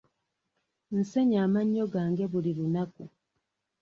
Nsenya amannyo gange buli lunaku.